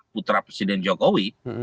putra presiden jokowi